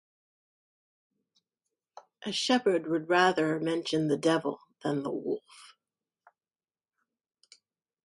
A shepherd would rather mention the devil than the wolf.